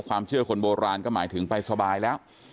ความเชื่อคนโบราณก็หมายถึงไปสบายแล้ว